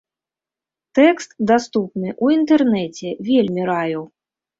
Тэкст даступны ў інтэрнэце, вельмі раю.